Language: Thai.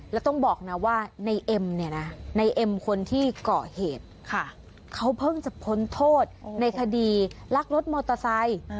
แล้วต้องบอกนะว่าในเอ็มเนี่ยนะในเอ็มคนที่เกาะเหตุค่ะเขาเพิ่งจะพ้นโทษในคดีลักรถมอเตอร์ไซค์